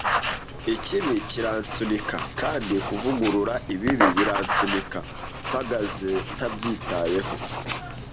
Ikibi kiransunika kandi kuvugurura ibibi biransunika, mpagaze ntabyitayeho,